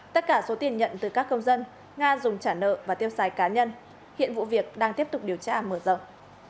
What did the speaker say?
tất cả số tiền nhận từ các công dân nga dùng trả nợ và tiêu xài cá nhân hiện vụ việc đang tiếp tục điều tra mở rộng